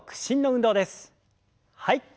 はい。